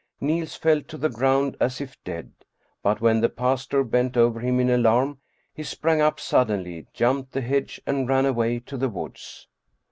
Niels fell to the ground as if dead. But when the pastor bent over him in alarm, he sprang up suddenly, jumped the hedge and ran away to the woods.